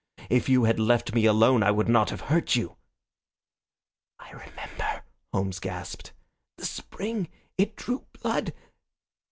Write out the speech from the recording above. If you had left me alone I would not have hurt you." "I remember," Holmes gasped. "The spring! It drew blood.